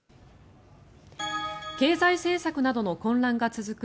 経済政策などの混乱が続く